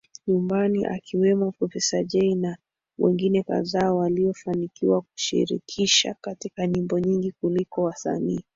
nyumbani akiwemo Profesa Jay na wengine kadhaa waliofanikiwa kushirikishwa katika nyimbo nyingi kuliko wasanii